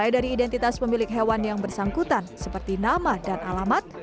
dari identitas pemilik hewan yang bersangkutan seperti nama dan alamat